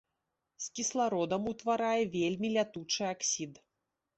З кіслародам утварае вельмі лятучы аксід.